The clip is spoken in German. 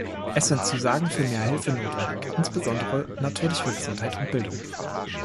Es sind Zusagen für mehr Hilfe notwendig insbesondere natürlich für Gesundheit und Bildung.